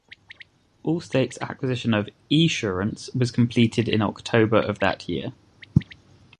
Allstate's acquisition of Esurance was completed in October of that year.